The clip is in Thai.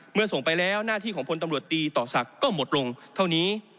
เมื่อส่งไปแล้วหน้าที่ของพตศก็หมดลงเท่านี้